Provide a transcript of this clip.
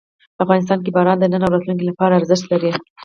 افغانستان کې باران د نن او راتلونکي لپاره ارزښت لري.